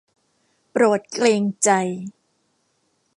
โปรดเกรงใจ